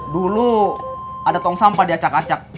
dulu ada tong sampah diacak acak